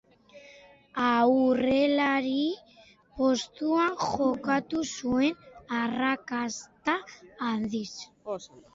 Aurrelari postuan jokatu zuen arrakasta handiz.